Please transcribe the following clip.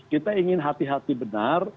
kita ingin hati hati benar